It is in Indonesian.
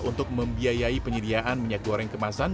untuk membiayai penyediaan minyak goreng kemasan